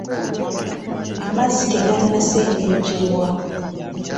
Amazzi tegannasengejjebwa.